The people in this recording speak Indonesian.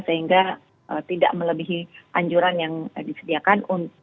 sehingga tidak melebihi anjuran yang disediakan